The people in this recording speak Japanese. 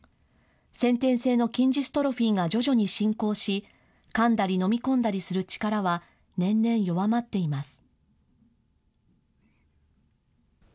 先天性の筋ジストロフィーが徐々に進行し、かんだり飲み込んだりする力は、年々弱まっています。